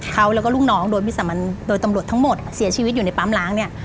เขาแล้วก็ลูกน้องโดยวิสามันโดยตำรวจทั้งหมดเสียชีวิตอยู่ในปั๊มล้างเนี่ย